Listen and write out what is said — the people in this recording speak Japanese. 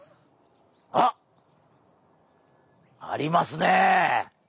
あっ！ありますね。